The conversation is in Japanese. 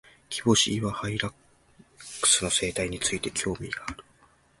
キボシイワハイラックスの生態について、興味がある。